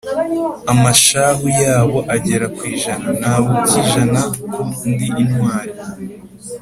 Amashahu yabo agera ku ijana, ntawe ukijana ko ndi intwali,